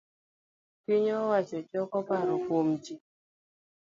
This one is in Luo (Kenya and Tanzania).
piny owacho choko paro kuom ji